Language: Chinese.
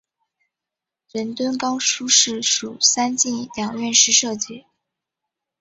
仁敦冈书室属三进两院式设计。